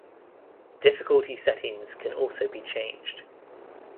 Difficulty settings can also be changed.